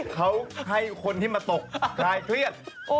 เขาให้คนที่มาตกคลายเครียด